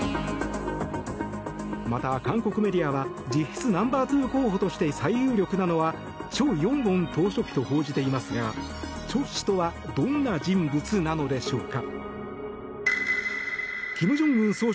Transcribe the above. また、韓国メディアは実質ナンバーツー候補として最有力なのはチョ・ヨンウォン党書記と報じていますがチョ氏とはどんな人物なのでしょうか。